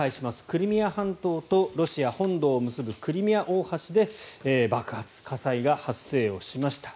クリミア半島とロシア本土を結ぶクリミア大橋で爆発・火災が発生をしました。